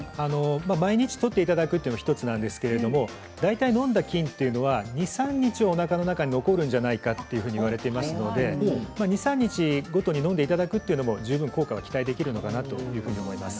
毎日とっていただくというのは１つなんですけれども大体飲んだ菌というのは２、３日おなかの中に残るのではないかと言われていますので２、３日ごとに飲んでいただくというのも十分、効果が期待できるのかなと思います。